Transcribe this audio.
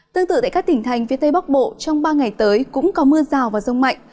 tương tự tại các tỉnh thành phía tây bắc bộ trong ba ngày tới cũng có mưa rào và rông mạnh